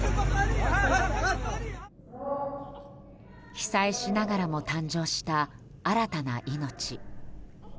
被災しながらも誕生した新たな命。